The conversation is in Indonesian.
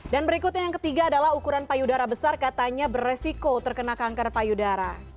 dan berikutnya yang ketiga adalah ukuran payudara besar katanya beresiko terkena kanker payudara